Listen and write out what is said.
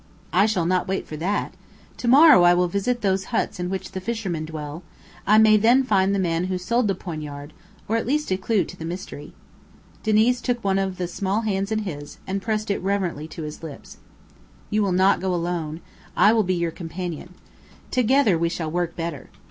"I shall not wait for that. To morrow I will visit those huts in which the fishermen dwell; I may then find the man who sold the poignard, or at least a clew to the mystery." Diniz took one of the small hands in his, and pressed it reverently to his lips. "You will not go alone; I will be your companion. Together we shall work better.